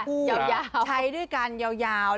ใครออกแบบห้องน้ำวะ